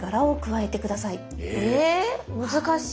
ええ難しい。